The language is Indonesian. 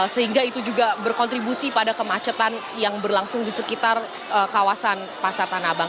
sehingga itu juga berkontribusi pada kemacetan yang berlangsung di sekitar kawasan pasar tanah abang